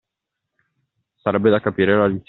Sarebbe da capire la licenza.